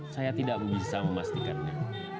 saya tidak bisa memastikannya